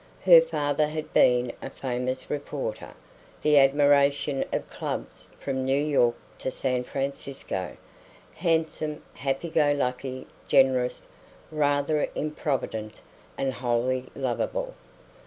Her father had been a famous reporter, the admiration of cubs from New York to San Francisco; handsome, happy go lucky, generous, rather improvident, and wholly lovable.